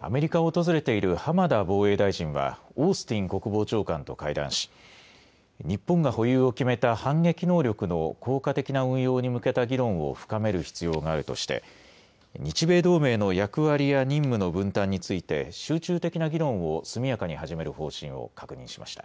アメリカを訪れている浜田防衛大臣はオースティン国防長官と会談し日本が保有を決めた反撃能力の効果的な運用に向けた議論を深める必要があるとして日米同盟の役割や任務の分担について集中的な議論を速やかに始める方針を確認しました。